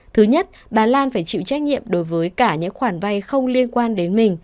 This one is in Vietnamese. thứ nhất bà lan phải chịu trách nhiệm đối với cả những khoản vay không liên quan đến mình